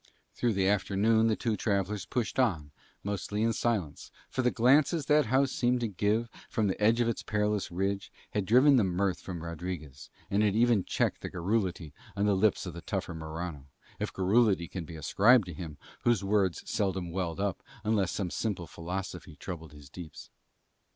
Through the afternoon the two travellers pushed on mostly in silence, for the glances that house seemed to give him from the edge of its perilous ridge, had driven the mirth from Rodriguez and had even checked the garrulity on the lips of the tougher Morano, if garrulity can be ascribed to him whose words seldom welled up unless some simple philosophy troubled his deeps.